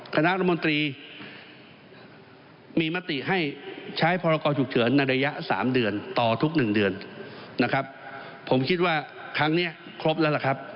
คณะรัฐมนตรีมีมติให้ใช้พรกรฉุกเฉินในระยะสามเดือนต่อทุกหนึ่งเดือนนะครับผมคิดว่าครั้งนี้ครบแล้วล่ะครับ